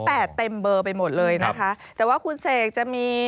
แปดเต็มเบอร์ไปหมดเลยนะคะแต่ว่าคุณเสกจะมี